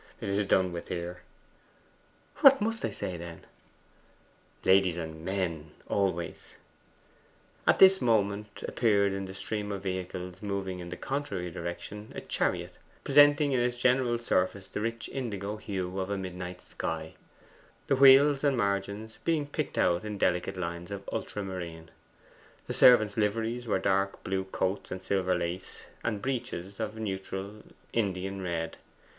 It is done with here.' 'What must I say, then?' '"Ladies and MEN" always.' At this moment appeared in the stream of vehicles moving in the contrary direction a chariot presenting in its general surface the rich indigo hue of a midnight sky, the wheels and margins being picked out in delicate lines of ultramarine; the servants' liveries were dark blue coats and silver lace, and breeches of neutral Indian red.